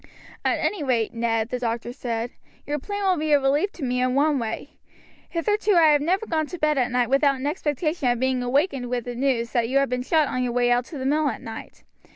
"At any rate, Ned," the doctor said, "your plan will be a relief to me in one way. Hitherto I have never gone to bed at night without an expectation of being awakened with the news that you have been shot on your way out to the mill at night.